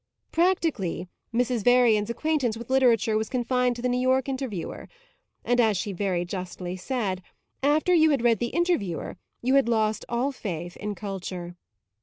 Practically, Mrs. Varian's acquaintance with literature was confined to The New York Interviewer; as she very justly said, after you had read the Interviewer you had lost all faith in culture.